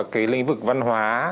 cái lĩnh vực văn hóa